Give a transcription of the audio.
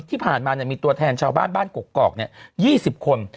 ตรงนั้นที่ผ่านมาเนี่ยมีตัวแทนชาวบ้านบ้านกอกกอกเนี้ยยี่สิบคน